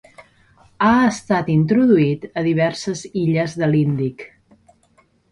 Ha estat introduït a diverses illes de l'Índic.